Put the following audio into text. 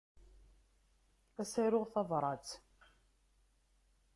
Ad s-aruɣ tabrat.